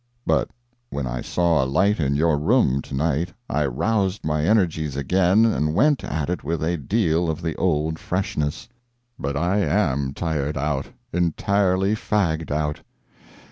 But when I saw a light in your room to night I roused my energies again and went at it with a deal of the old freshness. But I am tired out entirely fagged out.